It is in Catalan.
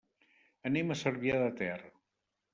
Anem a Cervià de Ter.